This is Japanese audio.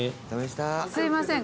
すいません。